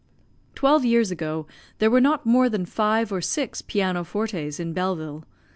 Twelve years ago there were not more than five or six piano fortes in Belleville.